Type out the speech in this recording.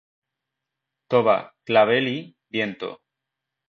Toba, clavel y... viento.